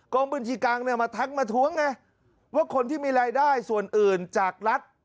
กรมบัญชีกลางมาทักมาถ้วงว่าคนที่มีรายได้ส่วนอื่นจากรัฐ